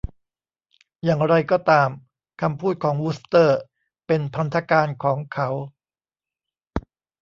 อย่างไรก็ตาม คำพูดของวูสเตอร์เป็นพันธการของเขา